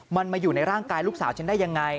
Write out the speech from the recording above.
มันมาอยู่ในร่างกายลูกสาวฉันได้ยังไง